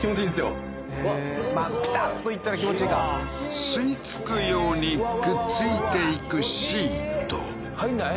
まあピタッといったら気持ちいいか吸いつくようにくっ付いていくシート入んない？